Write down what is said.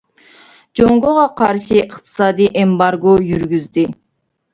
جۇڭگوغا قارشى ئىقتىسادى ئېمبارگو يۈرگۈزدى.